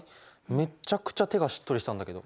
めっちゃくちゃ手がしっとりしたんだけど。